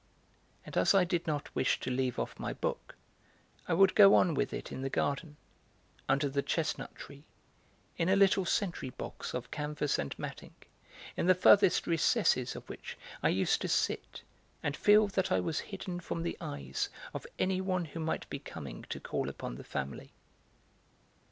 And as I did not wish to leave off my book, I would go on with it in the garden, under the chestnut tree, in a little sentry box of canvas and matting, in the farthest recesses of which I used to sit and feel that I was hidden from the eyes of anyone who might be coming to call upon the family.